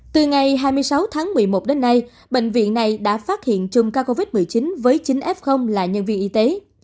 từ ngày hai mươi sáu tháng một mươi một đến nay bệnh viện này đã phát hiện chung ca covid một mươi chín với chín f là nhân viên y tế